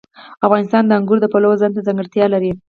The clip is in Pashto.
افغانستان د انګور د پلوه ځانته ځانګړتیا لري.